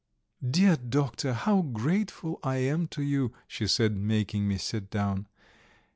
"Dear Doctor, how grateful I am to you," she said, making me sit down.